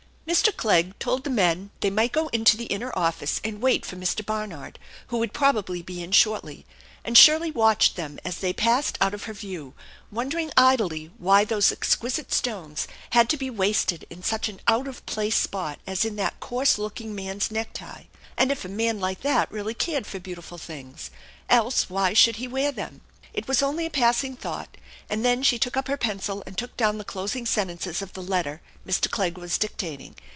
Mr. Clegg told the men they might go into the inner office and wait for Mr. Barnard, who would probably be in shortly, and Shirley watched them as they passed out of her view, wondering idly why those exquisite stones had to be wasted in such an out of place spot as in that coarse looking man's necktie, and if a man like that really cared for beau tiful things, else why should he wear them ? It was only a passing thought, and then she took up her pencil and took down the closing sentences of the letter Mr. Clegg was dic tating.